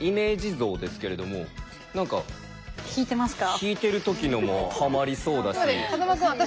引いてる時のもハマりそうだし。